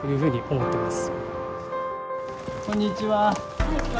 ・はいこんにちは。